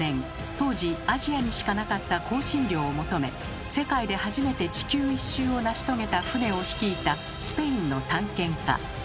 当時アジアにしかなかった香辛料を求め世界で初めて地球一周を成し遂げた船を率いたスペインの探検家。